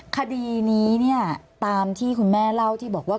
คดีนี้เนี่ยตามที่คุณแม่เล่าที่บอกว่า